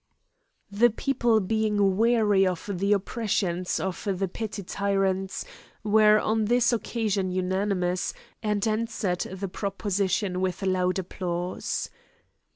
The people being weary of the oppressions of the petty tyrants, were on this occasion unanimous, and answered the proposition with loud applause.